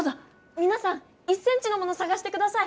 みなさん１ｃｍのものさがしてください！